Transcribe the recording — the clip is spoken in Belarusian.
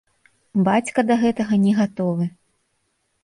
Бацька да гэтага не гатовы.